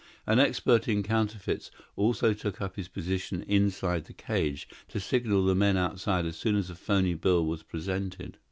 An expert in counterfeits also took up his position inside the cage, to signal the men outside as soon as a phony bill was presented.